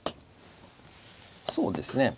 そうですね。